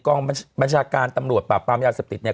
กองบัญชาการตำรวจปราบปรามยาเสพติดเนี่ย